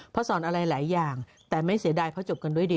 เพราะสอนอะไรหลายอย่างแต่ไม่เสียดายเพราะจบกันด้วยดี